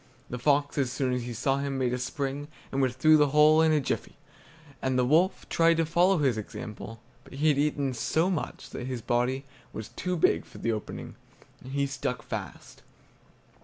The fox, as soon as he saw him, made a spring, and was through the hole in a jiffy; and the wolf tried to follow his example, but he had eaten so much that his body was too big for the opening, and he stuck fast.